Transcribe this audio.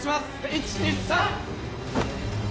１２３！